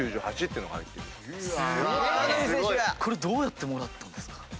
どうやってもらったんですか？